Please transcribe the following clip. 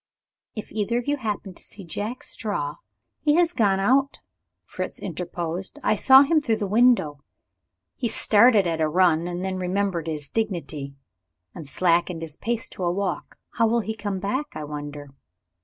"If either of you happen to see Jack Straw " "He has gone out," Fritz interposed. "I saw him through the window. He started at a run and then remembered his dignity, and slackened his pace to a walk. How will he come back, I wonder?"